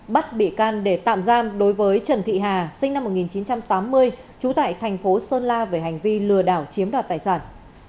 bắt bị can để tạm giam đối với trần thị hà sinh năm một nghìn chín trăm tám mươi trú tại thành phố sơn la về hành vi lừa đảo chiếm đoạt tài sản